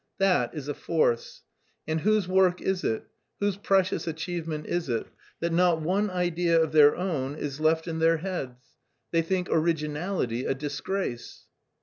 That is a force! And whose work is it, whose precious achievement is it, that not one idea of their own is left in their heads! They think originality a disgrace."